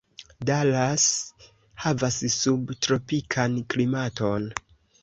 Dallas havas subtropikan klimaton.